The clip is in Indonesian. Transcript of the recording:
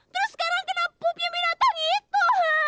terus sekarang kena pupnya binatang itu